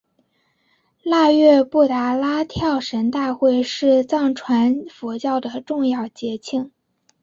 腊月布拉达跳神大会是藏传佛教的重要节庆。